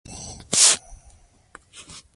شاه محمود د خپلو ځواکونو پر مخ د ښار د نیولو امر وکړ.